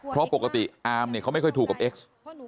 เพราะปกติอามเนี่ยเขาไม่ค่อยถูกกับเอ็กซ์